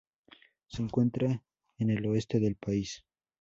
Se encuentra en el oeste del país.